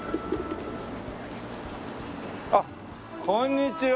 あっこんにちは。